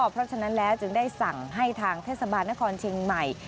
เพราะฉะนั้นแล้วจึงได้สั่งให้ทางเทศบาลนครเชียงใหม่